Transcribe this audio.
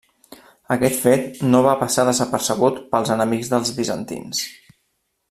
Aquest fet no va passar desapercebut pels enemics dels bizantins.